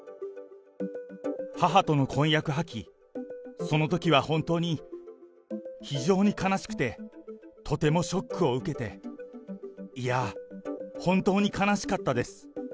母との婚約破棄、そのときは本当に非常に悲しくて、とてもショックを受けて、いや、本当に悲しかったです。